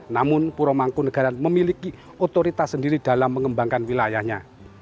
namun pura mangkunegaran memiliki otoritas sendiri dalam mengembangkan wilayahnya